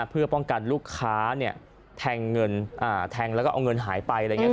เพื่อป้องกันลูกค้าแทงเงินแทงแล้วก็เอาเงินหายไปอะไรอย่างนี้